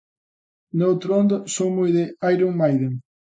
Noutra onda, son moi de Iron Maiden.